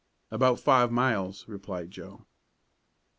"About five miles," replied Joe.